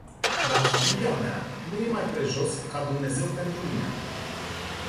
Dar familia mea nu e mai prejos ca Dumnezeu pentru mine.